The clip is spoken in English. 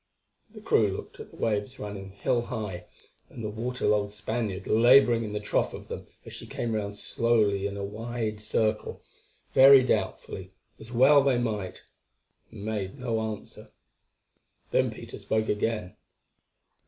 The crew looked at the waves running hill high, and the water logged Spaniard labouring in the trough of them as she came round slowly in a wide circle, very doubtfully, as well they might, and made no answer. Then Peter spoke again.